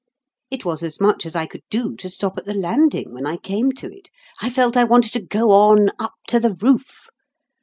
It was as much as I could do to stop at the landing when I came to it; I felt I wanted to go on up to the roof.